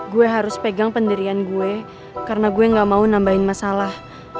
gue harus pegang pendirian gue karena gue gak mau nambahin masalah